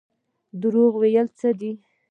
دروغ ویل څه دي؟